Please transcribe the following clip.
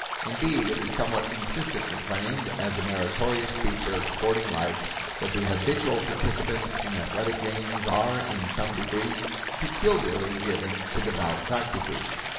Indeed, it is somewhat insistently claimed as a meritorious feature of sporting life that the habitual participants in athletic games are in some degree peculiarly given to devout practices.